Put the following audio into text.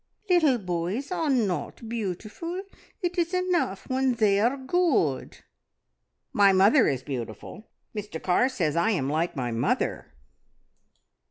"Leetle boys are not beautiful. It is enough when they are good." "My mother is beautiful. Mr Carr says I am like my mother."